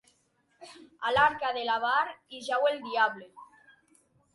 A l'arca de l'avar hi jau el diable.